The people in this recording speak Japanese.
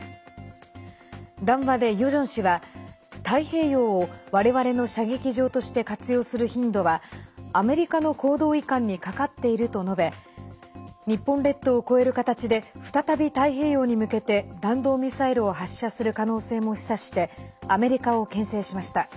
談話で、ヨジョン氏は太平洋を我々の射撃場として活用する頻度はアメリカの行動いかんにかかっていると述べ日本列島を越える形で再び太平洋に向けて弾道ミサイルを発射する可能性も示唆してアメリカをけん制しました。